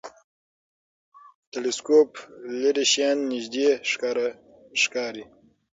ټلسکوپ لرې شیان نږدې ښکاري.